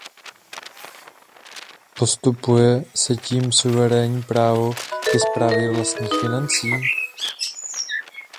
Postupuje se tím suverénní právo ke správě vlastních financí?